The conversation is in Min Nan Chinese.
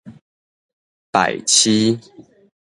敗市